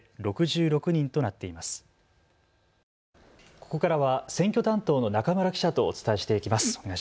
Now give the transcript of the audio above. ここからは選挙担当の中村記者とお伝えしていきます。